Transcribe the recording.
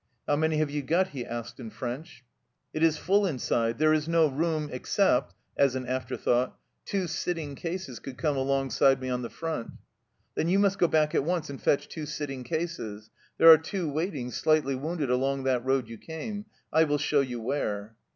" How many have you got ?" he asked in French. " It is full inside ; there is no room except " as an afterthought " two sitting cases could come alongside me on the front." " Then you must go back at once and fetch two sitting cases. There are two waiting, slightly wounded, along that road you came. I will show you where."